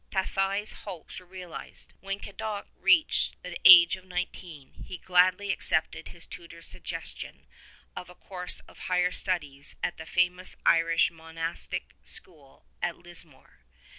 Tathai's hopes were realized. When Cadoc reached the age of nineteen he gladly accepted his tutor's suggestion of a course of higher studies at the famous Irish monastic school at Lismore.